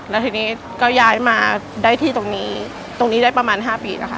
แล้วทีนี้ก็ย้ายมาได้ที่ตรงนี้ตรงนี้ได้ประมาณ๕ปีแล้วค่ะ